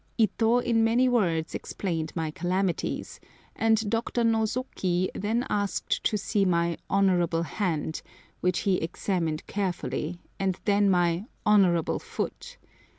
Ito in many words explained my calamities, and Dr. Nosoki then asked to see my "honourable hand," which he examined carefully, and then my "honourable foot."